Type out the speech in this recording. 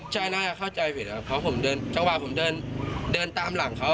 ใช่นะเข้าใจผิดเพราะผมเดินเวลาผมเดินตามหลังเขา